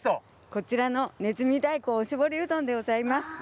こちらの、ねずみ大根おしぼりうどんでございます。